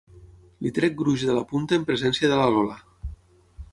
Li trec gruix de la punta en presència de la Lola.